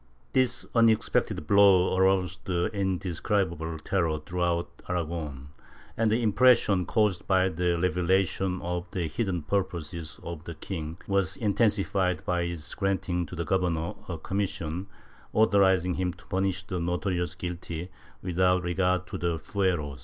This unexpected blow aroused indescribable terror throughout Aragon, and the impression caused by the revelation of the hidden purposes of the king was intensified by his granting to the Governor a commission authorizing him to punish the notoriously guilty without regard to the fueros.